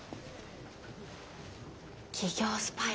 企業スパイの話？